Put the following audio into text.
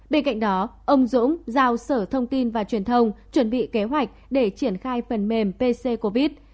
bên cạnh đó ông dũng giao sở thông tin và truyền thông chuẩn bị kế hoạch để triển khai phần mềm pc covid